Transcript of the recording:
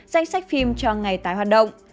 danh sách phim cho ngày tái hoạt động